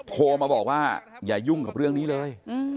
โทรมาบอกว่าอย่ายุ่งกับเรื่องนี้เลย